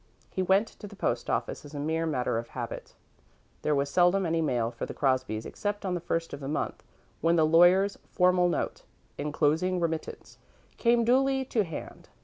He went to the post office as a mere matter of habit; there was seldom any mail for the Crosbys except on the first of the month, when the lawyer's formal note, "enclosing remittance," came duly to hand.